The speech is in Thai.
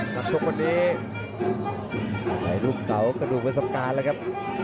นักชมกันดีใส่รูปเต๋ากระดูกเวสับการแล้วครับ